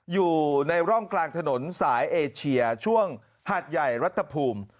อยู่ในร่องกลางถนนสายเอเชียช่วงหาดใหญ่รัฐภูมิ